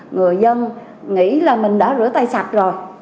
người dân nghĩ là mình đã rửa tay sạch rồi